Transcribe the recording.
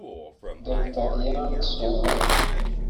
Dr Young Soo Woo